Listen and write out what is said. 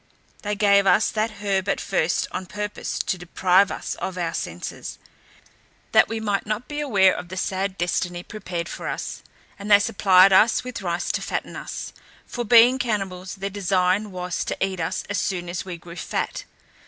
They gave us that herb at first on purpose to deprive us of our senses, that we might not be aware of the sad destiny prepared for us; and they supplied us with rice to fatten us; for, being cannibals, their design was to eat us as soon as we grew fat.